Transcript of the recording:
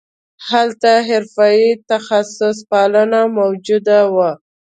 هلته حرفوي تخصص پالنه موجود وو